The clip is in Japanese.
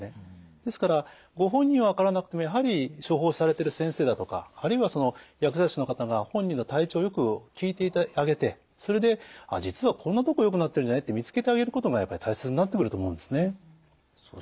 ですからご本人は分からなくてもやはり処方されてる先生だとかあるいは薬剤師の方が本人の体調をよく聞いてあげてそれで「実はこんなとこよくなってるんじゃない？」って見つけてあげることがやっぱり大切になってくると思うんですね。